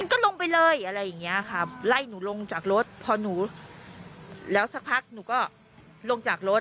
ก็ลงไปเลยอะไรอย่างเงี้ยค่ะไล่หนูลงจากรถพอหนูแล้วสักพักหนูก็ลงจากรถ